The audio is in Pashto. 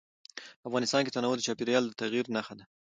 افغانستان کې تنوع د چاپېریال د تغیر نښه ده.